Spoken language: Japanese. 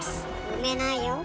埋めないよ。